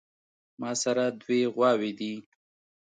ماسره دوې غواوې دي